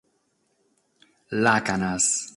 Làcanas.